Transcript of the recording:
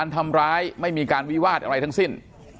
ทำร้ายไม่มีการวิวาสอะไรทั้งสิ้น